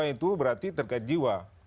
itu berarti terkait jiwa